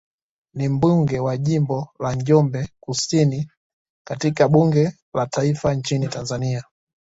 Ni mbunge wa jimbo la Njombe Kusini katika bunge la taifa nchini Tanzania